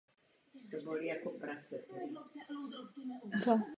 Své dětství prožil v rodné Chrudimi.